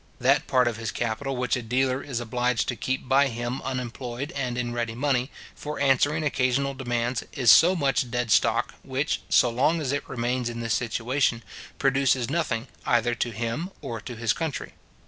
That part of his capital which a dealer is obliged to keep by him unemployed and in ready money, for answering occasional demands, is so much dead stock, which, so long as it remains in this situation, produces nothing, either to him or to his country.